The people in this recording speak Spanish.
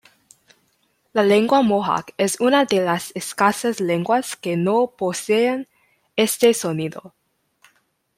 La lengua mohawk es una de las escasas lenguas que no poseen este sonido.